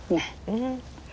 うん。